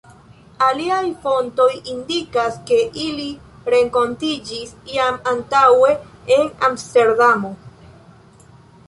Aliaj fontoj indikas, ke ili renkontiĝis jam antaŭe en Amsterdamo.